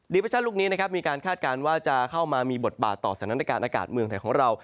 เปอร์ชั่นลูกนี้นะครับมีการคาดการณ์ว่าจะเข้ามามีบทบาทต่อสถานการณ์อากาศเมืองไทยของเรา